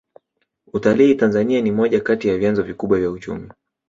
utalii tanzania ni moja kati ya vyanzo vikubwa vya uchumi